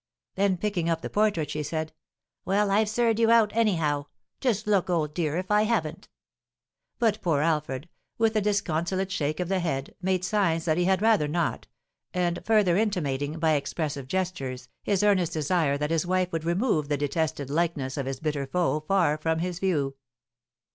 Then, picking up the portrait, she said, "Well, I've served you out, anyhow! Just look, old dear, if I haven't!" But poor Alfred, with a disconsolate shake of the head, made signs that he had rather not, and further intimating, by expressive gestures, his earnest desire that his wife would remove the detested likeness of his bitter foe far from his view.